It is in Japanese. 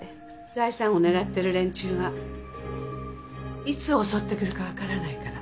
財産を狙ってる連中がいつ襲ってくるかわからないから。